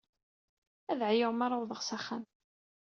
Ad ɛyuɣ mi ara awḍeɣ s axxam.